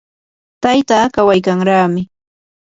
tayta kawaykanraami.